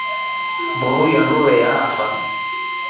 Mburu iya njiiu yafyaa.